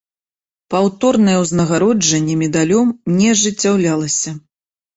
Паўторнае ўзнагароджанне медалём не ажыццяўлялася.